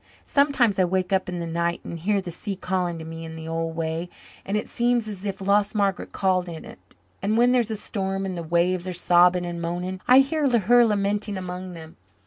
Sometimes I wake up in the night and hear the sea calling to me in the old way and it seems as if lost Margaret called in it. And when there's a storm and the waves are sobbing and moaning I hear her lamenting among them.